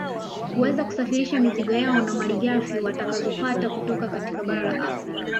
Kuweza kusafirisha mizigo yao na malighafi watakazopata kutoka katika bara la Afrika